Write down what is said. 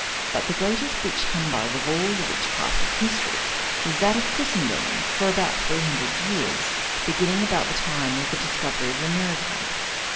But the greatest witch humbug of all the witchcraft of history, is that of Christendom for about three hundred years, beginning about the time of the discovery of America.